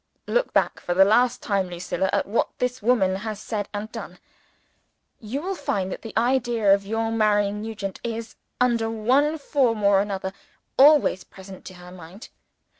"Look back for the last time, Lucilla, at what this woman has said and done. You will find that the idea of your marrying Nugent is, under one form or another, always present to her mind.